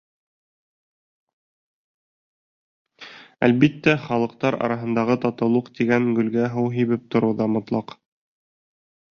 Әлбиттә, халыҡтар араһындағы татыулыҡ тигән гөлгә һыу һибеп тороу ҙа мотлаҡ.